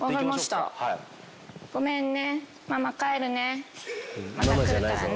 ごめんね。